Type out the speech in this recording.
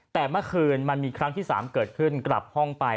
แต่เมื่อคืนมันมีครั้งที่๓เกิดขึ้นกลับห้องไป